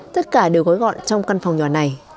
tất cả đều gói gọn trong căn phòng nhỏ này